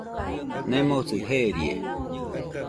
Nemosɨ jeerie.